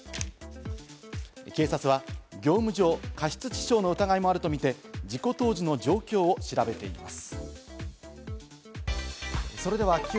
警察は業務上過失致傷の疑いもあるとみて事故当時の状況を調べています。